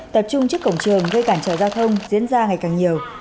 tập trung trước cổng trường gây cản trở giao thông diễn ra ngày càng nhiều